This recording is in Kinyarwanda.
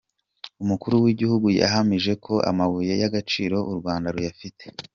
Umukuru w’Igihugu yahamije ko amabuye y’agaciro u Rwanda ruyafite.